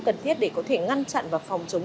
cần thiết để có thể ngăn chặn và phòng chống